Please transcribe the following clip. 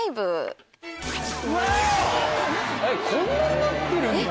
こんなんなってるんだ！